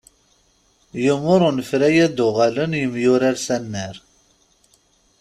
Yumer unefray ad d-uɣalen yemyurar s annar.